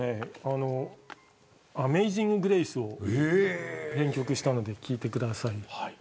アメイジング・グレイスを編曲したので聴いてください。